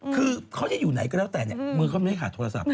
คือเขาจะอยู่ไหนก็แล้วแต่เนี่ยมือเขาไม่ขาดโทรศัพท์